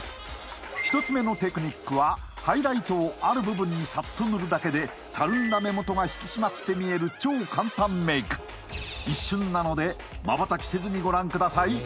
１つ目のテクニックはハイライトをある部分にサッと塗るだけでたるんだ目元が引き締まって見える超簡単メイク一瞬なのでまばたきせずにご覧ください